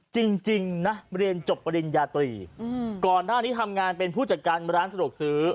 จริงนะเรียนจบปริญญาตรีก่อนหน้านี้ทำงานเป็นผู้จัดการร้านสะดวกซื้อ